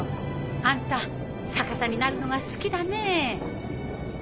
あんた逆さになるのが好きだねぇ。